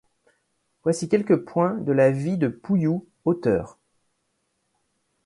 Voici quelques points de la vie de Pouhiou, auteur.